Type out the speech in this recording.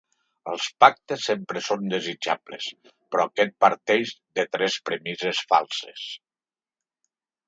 Els pactes sempre són desitjables, però aquest parteix de tres premisses falses.